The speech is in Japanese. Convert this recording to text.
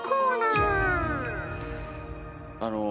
あの。